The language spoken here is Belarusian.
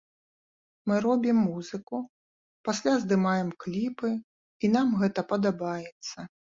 Мы робім музыку, пасля здымаем кліпы і нам гэта падабаецца!